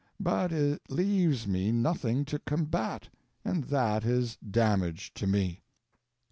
But it leaves me nothing to combat; and that is damage to me.